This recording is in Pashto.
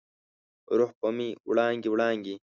روح به مې وړانګې، وړانګې،